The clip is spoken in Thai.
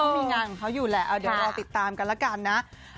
เขามีงานของเขาอยู่แหละเดี๋ยวเราติดตามกันละกันนะ